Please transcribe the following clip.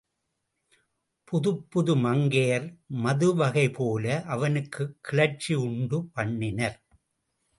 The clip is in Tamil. புதுப்புது மங்கையர் மதுவகைபோல அவனுக்குக் கிளர்ச்சி உண்டு பண்ணினர்.